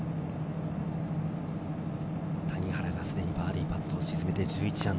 谷原がすでにバーディーパットを沈めて−１１。